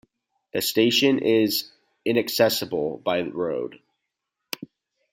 The station is inaccessible by road.